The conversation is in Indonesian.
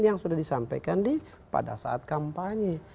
yang sudah disampaikan pada saat kampanye